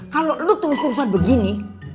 kalau lo terus terusan begini